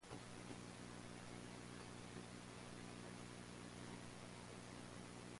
Both are located next to Central Piedmont Community College.